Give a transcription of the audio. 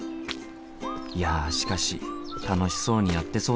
いやしかし楽しそうにやってそうだしな。